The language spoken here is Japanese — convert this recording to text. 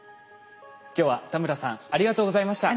今日は田村さんありがとうございました。